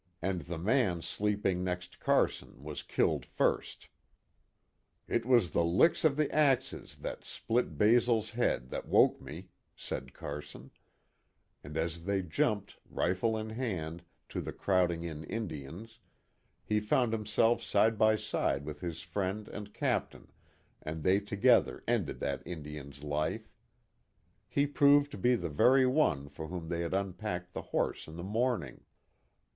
KIT CARSON. 33 " It was the licks of the axe that split Basil's head that woke me," said Carson, and as they jumped, rifle in hand, to the crowding in Indians, he found himself side by side with his friend and captain and they together ended that In dian's life. He proved to be the very one for whom they had unpacked the horse in the morn ing.